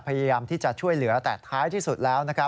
พยายามที่จะช่วยเหลือแต่ท้ายที่สุดแล้ว